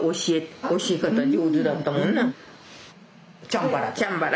チャンバラ。